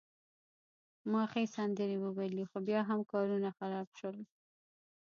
ما ښې سندرې وویلي، خو بیا هم کارونه خراب شول.